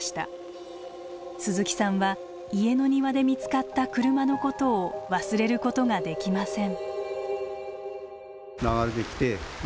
鈴木さんは家の庭で見つかった車のことを忘れることができません。